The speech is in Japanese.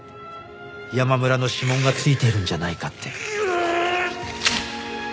山村の指紋がついているんじゃないかって。